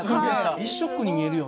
１色に見えるよね。